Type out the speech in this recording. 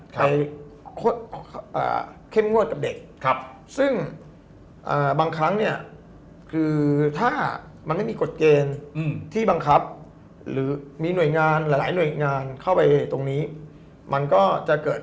ไปเข้มงวดกับเด็กซึ่งบางครั้งเนี่ยคือถ้ามันไม่มีกฎเกณฑ์ที่บังคับหรือมีหน่วยงานหลายหน่วยงานเข้าไปตรงนี้มันก็จะเกิด